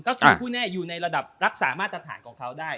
ก็คือผู้แน่อยู่ในระดับรักษามาตรฐานของเขาได้